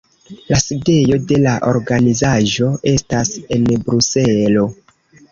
La sidejo de la organizaĵo estas en Bruselo.